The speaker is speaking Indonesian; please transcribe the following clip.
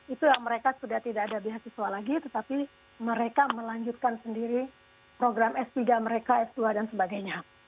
itu yang mereka sudah tidak ada beasiswa lagi tetapi mereka melanjutkan sendiri program s tiga mereka s dua dan sebagainya